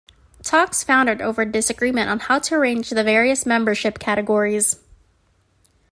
Talks foundered over disagreement on how to arrange the various membership categories.